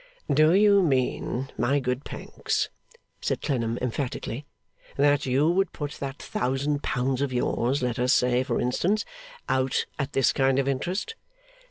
'Do you mean, my good Pancks,' asked Clennam emphatically, 'that you would put that thousand pounds of yours, let us say, for instance, out at this kind of interest?